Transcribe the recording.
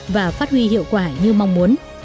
và phát huy hiệu quả như mong muốn